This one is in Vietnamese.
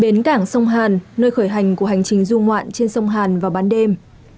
bến cảng sông hàn nơi khởi hành của hành trình du ngoạn trên sông hàn vào ban đêm